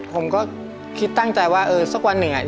ผมก็คิดตั้งใจว่าเออสักวันหนึ่ง